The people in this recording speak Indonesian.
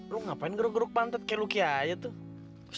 lu ngapain geruk geruk pantet kayak lucky aja tuh